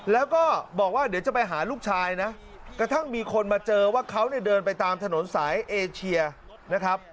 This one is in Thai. แล้วก็บอกว่าเดี๋ยวจะไปหาลูกชายนะกระทั่งมีคนมาเจอว่าเขาเนี่ยเดินไปตามถนนสายเอเชียนะครับ